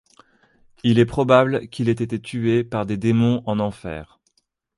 Il est probable qu'il ait été tué par des démons en Enfer.